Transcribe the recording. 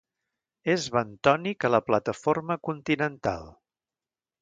És bentònic a la plataforma continental.